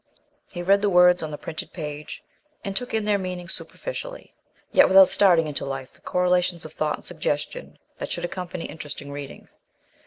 He read the words on the printed page and took in their meaning superficially, yet without starting into life the correlations of thought and suggestion that should accompany interesting reading.